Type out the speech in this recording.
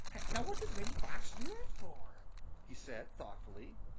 "Now what did Reddy Fox do that for?" he said, thoughtfully.